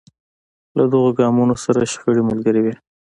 له دغو ګامونو سره شخړې ملګرې وې.